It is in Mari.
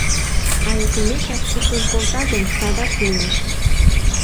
А ӧкымешак куржын колта гын, садак йомеш.